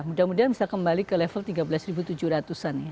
mudah mudahan bisa kembali ke level tiga belas tujuh ratus an ya